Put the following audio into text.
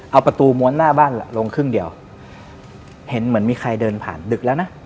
เอาประตูม้วนหน้าบ้านลงครึ่งเดียวเห็นเหมือนมีใครเดินผ่านดึกแล้วนะ